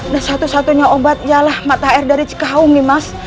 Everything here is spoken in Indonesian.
dan satu satunya obatnya lah mata air dari cikau nimas